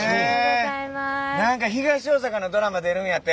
何か東大阪のドラマ出るんやて。